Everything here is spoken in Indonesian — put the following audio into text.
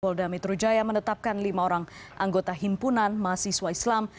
polda metro jaya menetapkan lima orang anggota himpunan mahasiswa islam